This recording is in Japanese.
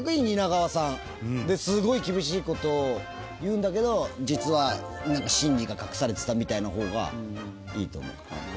すごい厳しいことを言うんだけど実は真理が隠されてたみたいなほうがいいと思う。